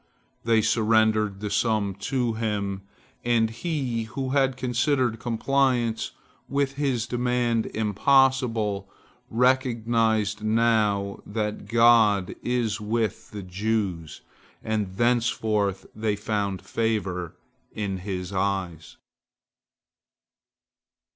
They surrendered the sum to him, and he who had considered compliance with his demand impossible, recognized now that God is with the Jews, and thenceforth they found favor in his eyes.